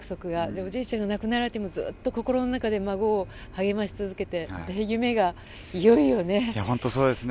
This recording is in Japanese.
おじいちゃんが亡くなられてもずっと心の中で孫を励まし続けて本当、そうですね。